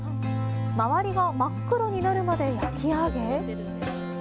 周りが真っ黒になるまで焼き上げ。